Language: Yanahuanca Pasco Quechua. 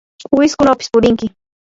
wiskunawpis purinki.